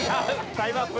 タイムアップ。